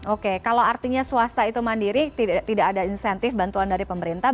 oke kalau artinya swasta itu mandiri tidak ada insentif bantuan dari pemerintah